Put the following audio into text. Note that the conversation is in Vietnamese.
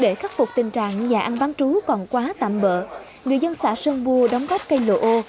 để khắc phục tình trạng nhà ăn bán trú còn quá tạm bỡ người dân xã sơn bua đóng góp cây lộ